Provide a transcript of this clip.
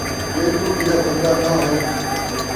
جیترو جیݙا بن٘دا ناں ہئی